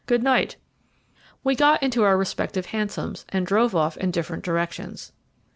"Good night." We got into our respective hansoms, and drove off in different directions.